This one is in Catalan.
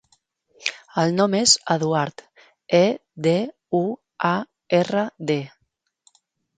El nom és Eduard: e, de, u, a, erra, de.